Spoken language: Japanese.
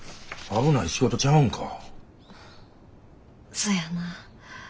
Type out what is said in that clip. そやな。